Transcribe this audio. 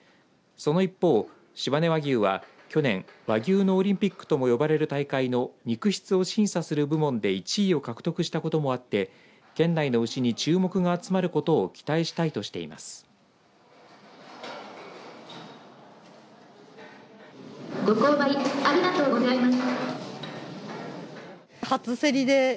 その一方、しまね和牛は、去年和牛のオリンピックとも呼ばれる大会の肉質を審査する部門で１位を獲得したこともあって県内の牛に注目が集まることを期待したいとしています。